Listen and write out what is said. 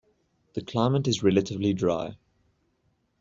The climate is relatively dry.